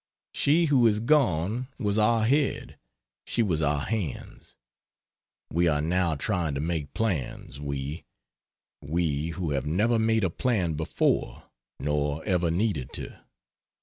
She who is gone was our head, she was our hands. We are now trying to make plans we: we who have never made a plan before, nor ever needed to.